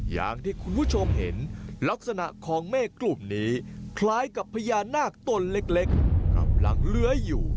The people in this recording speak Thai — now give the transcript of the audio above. อย่างที่คุณผู้ชมเห็นลักษณะของเมฆกลุ่มนี้คล้ายกับพญานาคตนเล็กกำลังเลื้อยอยู่